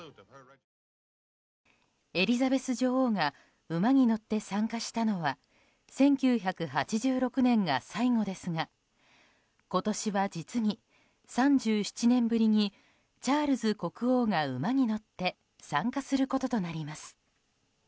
エリザベス女王が馬に乗って参加したのは１９８６年が最後ですが今年は実に３７年ぶりにチャールズ国王が馬に乗って参加することとなります。